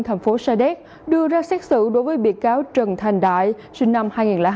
thành phố sa đéc đưa ra xét xử đối với bị cáo trần thành đại sinh năm hai nghìn hai